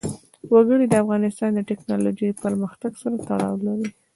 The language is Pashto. وګړي د افغانستان د تکنالوژۍ پرمختګ سره تړاو لري.